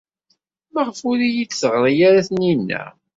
Maɣef ur iyi-d-teɣri ara Taninna?